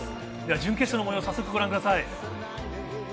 準決勝の模様、早速ご覧ください。